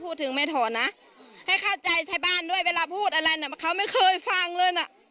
ก็อยู่ด้วยกันมากก็ไม่คิดว่าเขาจะไปปากรูปตีหลังกาแบบนี้นะถ้าอยากอยู่กันต่อไปก็ให้ออกมาวันนี้เลยในนิดนึงนะครับ